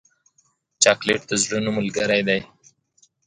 چاکلېټ د زړونو ملګری دی.